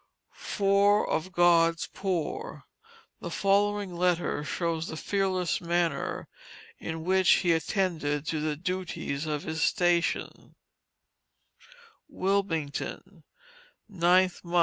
FOUR OF GOD'S POOR. The following letter shows the fearless manner in which he attended to the duties of his station: WILMINGTON, 9th mo.